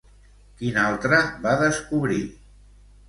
Quin altre va descobrir?